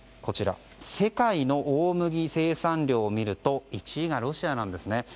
世界の大麦生産量を見ると１位がロシアなんですね。